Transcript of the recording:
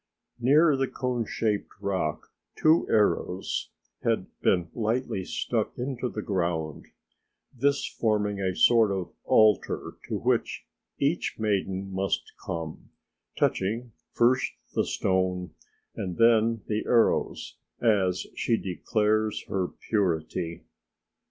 Near the cone shaped rock two arrows had been lightly stuck into the ground, this forming a sort of altar to which each maiden must come, touching first the stone and then the arrows as she declares her purity.